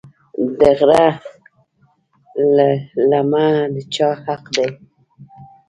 د غره للمه د چا حق دی؟